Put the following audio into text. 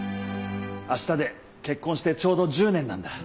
明日で結婚してちょうど１０年なんだ。